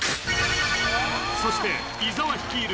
そして伊沢率いる